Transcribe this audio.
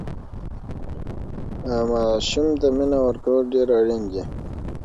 ماسوم ته مینه ورکول ډېر اړین دي.